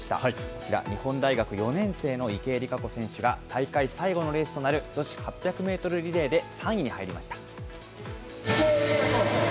こちら、４年生の池江璃花子選手が、大会最後のレースとなる女子８００メートルリレーで３位に入りました。